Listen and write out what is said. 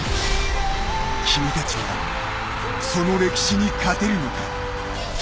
君たちはその歴史に勝てるのか。